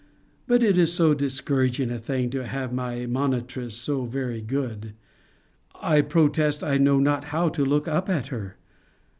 But it is so discouraging a thing to have my monitress so very good! I protest I know not how to look up at her!